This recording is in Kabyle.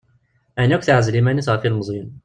Ayen akk teɛzel iman-is ɣef yilmeẓyen.